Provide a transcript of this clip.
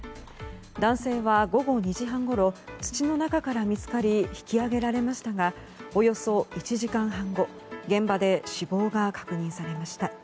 男性は、午後２時半ごろ土の中から見つかり引き上げられましたがおよそ１時間半後現場で死亡が確認されました。